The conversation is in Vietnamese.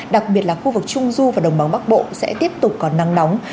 đặc biệt là khu vực trung du và đồng bằng bắc bộ sẽ tiếp tục có nắng nóng